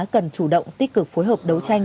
cần chủ động tích cực phối hợp đấu tranh